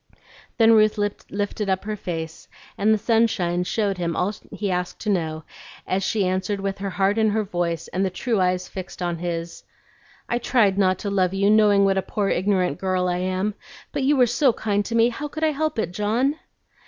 Then Ruth lifted up her face, and the sunshine showed him all he asked to know, as she answered with her heart in her voice and the "true eyes" fixed on his, "I tried not to love you, knowing what a poor ignorant girl I am; but you were so kind to me, how could I help it, John?"